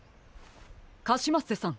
カシマッセさん